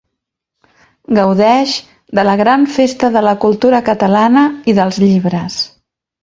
Gaudeix de la gran festa de la cultura catalana i dels llibres.